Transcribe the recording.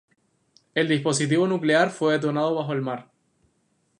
El dispositivo nuclear fue detonado bajo el mar.